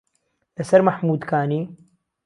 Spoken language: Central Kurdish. لە سەر مەحموودکانی